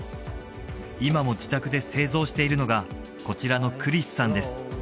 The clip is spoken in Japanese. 今も自宅で製造しているのがこちらのクリスさんです